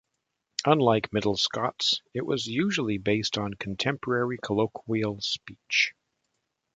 Unlike Middle Scots, it was usually based on contemporary colloquial speech.